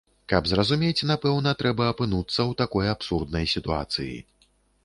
Каб зразумець, напэўна, трэба апынуцца ў такой абсурднай сітуацыі.